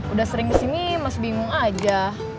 udah sering kesini masih bingung aja